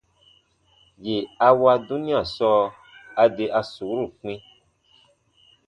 Yè a wa dunia sɔɔ, a de a suuru kpĩ.